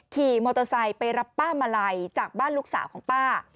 ขี่มอเตอร์ไซค์ไปรับป้ามาลัยจากบ้านลูกสาวของป้า